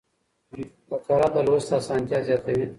فقره د لوست اسانتیا زیاتوي.